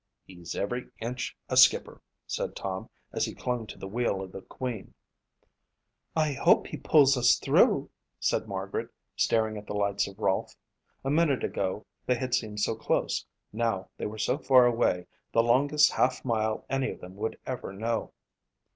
"He's every inch a skipper," said Tom as he clung to the wheel of the Queen. "I hope he pulls us through," said Margaret, staring at the lights of Rolfe. A minute ago they had seemed so close; now they were so far away, the longest half mile any of them would ever know.